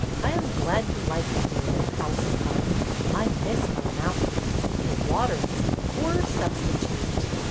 I am glad you like the dear old house and garden. I miss my mountains. The water is a poor substitute."